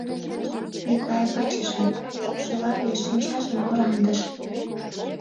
Миклай вачыжым шупшылале, шинчажым кораҥдыш.